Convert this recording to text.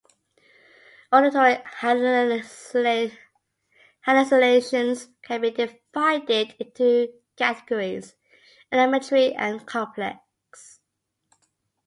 Auditory hallucinations can be divided into two categories: elementary and complex.